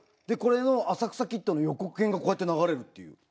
でこれの「浅草キッド」の予告編がこうやって流れるっていう。